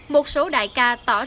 một số đại ca tỏ ra là